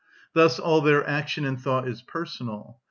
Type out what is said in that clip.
Thus all their action and thought is personal.